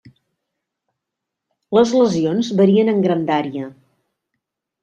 Les lesions varien en grandària.